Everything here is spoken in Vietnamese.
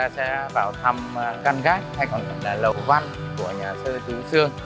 chúng ta sẽ vào thăm căn gác hay còn là lầu văn của nhà sơ tế sương